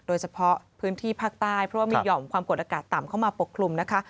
โดยเฉพาะพื้นที่ภาคใต้เพราะว่ามีห่อมความกดอากาศต่ำเข้ามาปกคลุมนะคะ